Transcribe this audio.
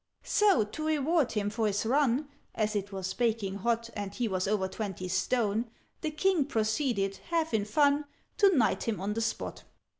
"So, to reward him for his run (As it was baking hot, And he was over twenty stone), The King proceeded, half in fun, To knight him on the spot."